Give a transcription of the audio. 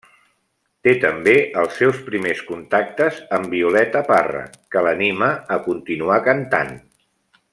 Té, també, els seus primers contactes amb Violeta Parra, que l'anima a continuar cantant.